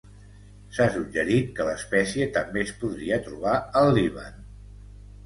S'ha suggerit que l'espècie també es podria trobar al Líban.